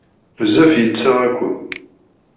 Bezzaf yettaɣ akud.